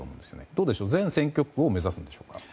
どうでしょう全選挙区を目指すんでしょうか。